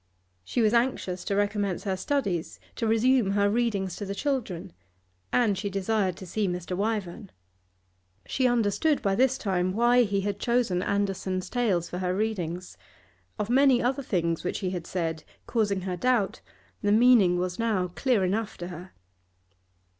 She was anxious to recommence her studies, to resume her readings to the children; and she desired to see Mr. Wyvern. She understood by this time why he had chosen Andersen's Tales for her readings; of many other things which he had said, causing her doubt, the meaning was now clear enough to her.